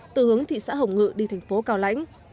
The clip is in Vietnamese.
từ hướng thị xã hồng ngự đi thành phố cao lãnh